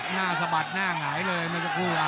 หน้าสะบัดหน้าไหง่เลย